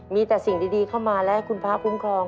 มีแต่สิ่งดีเข้ามาและคุณพระคุ้มครอง